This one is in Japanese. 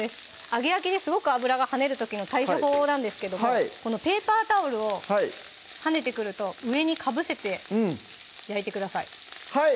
揚げ焼きですごく油が跳ねる時の対処法なんですけどもペーパータオルを跳ねてくると上にかぶせて焼いてください